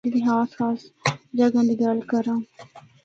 اگر اس وادی دی خاص خاص جگہاں دی گل کراں۔